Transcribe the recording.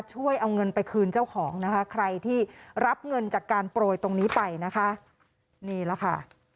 ช่วยเอาเงินไปคืนเจ้าของนะคะใครที่รับเงินจากการโปรยตรงนี้ไปนะคะนี่แหละค่ะ